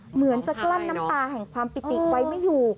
เหมือนจะกลั้นน้ำตาแห่งความปิติไว้ไม่อยู่